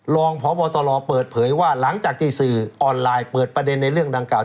รองพบตรเปิดเผยว่าหลังจากที่สื่อออนไลน์เปิดประเด็นในเรื่องดังกล่า